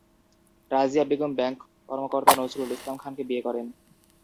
Razia Begum bank কর্মকর্তা নজরুল ইসলাম খানকে বিয়ে করেন।